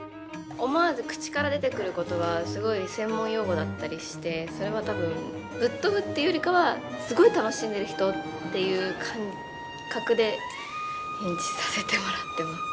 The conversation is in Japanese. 思わず口から出てくる言葉はすごい専門用語だったりしてそれは多分ぶっ飛ぶっていうよりかはすごい楽しんでる人っていう感覚で演じさせてもらってます。